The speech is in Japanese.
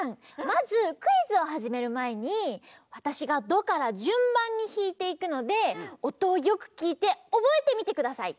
まずクイズをはじめるまえにわたしがドからじゅんばんにひいていくのでおとをよくきいておぼえてみてください。